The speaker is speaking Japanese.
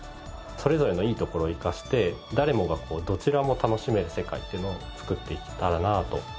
それぞれのいいところを生かして誰もがどちらも楽しめる世界っていうのを作っていけたらなと。